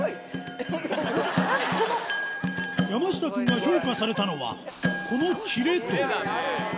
山下くんが評価されたのはこのキレと